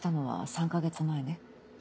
３か月前？